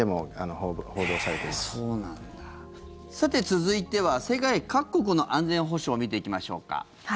続いては、世界各国の安全保障を見ていきましょうか。